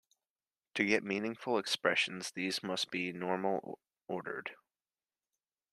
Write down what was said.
To get meaningful expressions, these must be normal ordered.